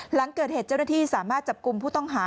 หลังเกิดเหตุเจ้าหน้าที่สามารถจับกลุ่มผู้ต้องหา